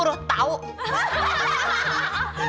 langsung dari bibirmu yang aduhai